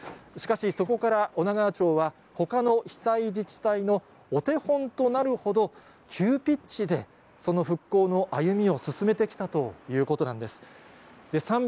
しかし、そこから女川町は、ほかの被災自治体のお手本となるほど、急ピッチでその復興の歩みを進めてきたということなんです。